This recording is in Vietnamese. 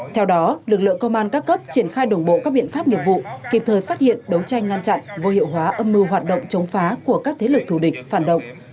theo đó lực lượng công an các cấp triển khai đồng bộ các biện pháp nghiệp vụ kịp thời phát hiện đấu tranh ngăn chặn vô hiệu hóa âm mưu hoạt động chống phá của các thế lực thù địch phản động